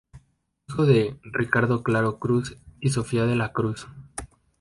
Hijo de "Ricardo Claro Cruz" y "Sofía de la Cruz".